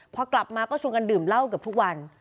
พอกลับมาก็ชวนกันดื่มเหล้าเกือบทุกวัน